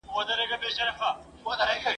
موږ چي ګورې یا خوړل یا الوتل وي !.